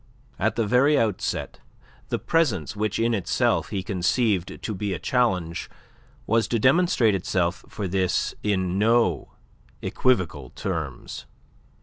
At the very outset, the presence which in itself he conceived to be a challenge was to demonstrate itself for this in no equivocal terms.